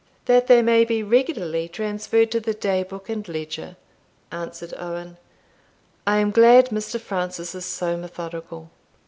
"That they may be regularly transferred to the day book and ledger," answered Owen: "I am glad Mr. Francis is so methodical."